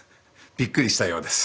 びっくりしたようです。